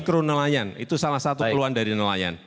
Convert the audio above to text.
mikro nelayan itu salah satu keluhan dari nelayan